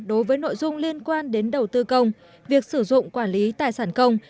đối với nội dung liên quan đến đầu tư công việc sử dụng quản lý tài sản công